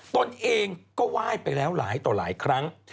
ตนเองก็ไหว้ไปแล้วหลายต่อหลายครั้ง